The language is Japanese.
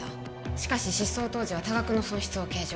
しかし失踪当時は多額の損失を計上